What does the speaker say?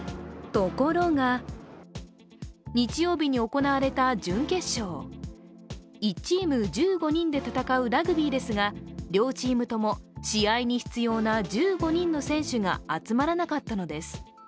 ところが、日曜日に行われた準決勝、１チーム１５人で戦うラグビーですが両チームとも試合に必要な１５人の選手が集まらなかったのです。